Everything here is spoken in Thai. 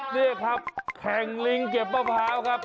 นี่ครับแข่งลิงเก็บมะพร้าวครับ